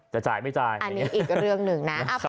จะจ่ายไม่จ่ายอันนี้อีกเรื่องหนึ่งนะ